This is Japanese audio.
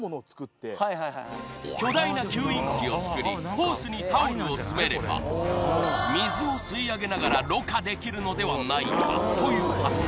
ホースにタオルを詰めれば水を吸い上げながらろ過できるのではないかという発想